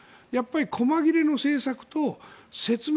細切れの政策と説明